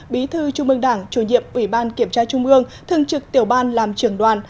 bí thư trung ương đảng chủ nhiệm ủy ban kiểm tra trung ương thường trực tiểu ban làm trưởng đoàn